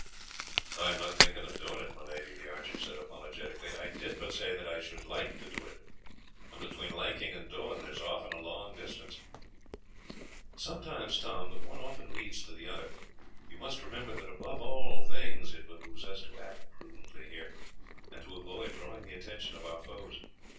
"I am not thinking of doing it, my lady," the archer said apologetically. "I did but say that I should like to do it, and between liking and doing there is often a long distance." "Sometimes, Tom, but one often leads to the other. You must remember that above all things it behoves us to act prudently here, and to avoid drawing the attention of our foes.